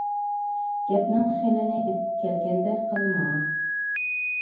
گەپنىڭ خىلىنى تېپىپ كەلگەندە قىل ماڭا.